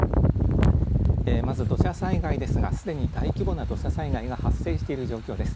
まず土砂災害ですがすでに大規模な土砂災害が発生ししている状況です。